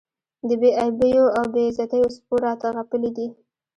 د بې آبیو او بې عزتیو سپو راته غپلي دي.